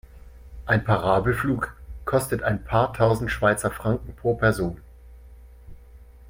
Ein Parabelflug kostet ein paar tausend Schweizer Franken pro Person.